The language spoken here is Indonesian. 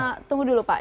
nah tunggu dulu pak